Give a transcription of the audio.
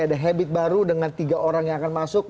ada habit baru dengan tiga orang yang akan masuk